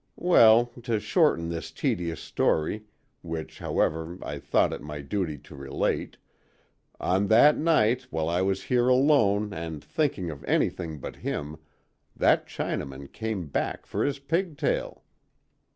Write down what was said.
Well, to shorten this tedious story—which, however, I thought it my duty to relate—on that night, while I was here alone and thinking of anything but him, that Chinaman came back for his pigtail.